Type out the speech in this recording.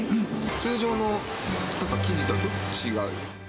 通常の生地とはちょっと違う。